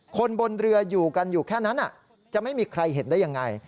คนบนเรืออยู่กันอยู่แค่นั้นจะไม่มีใครเห็นได้ยังไง